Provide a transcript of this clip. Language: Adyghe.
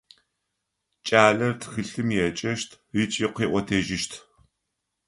Кӏалэр тхылъым еджэщт ыкӏи къыӏотэжьыщт.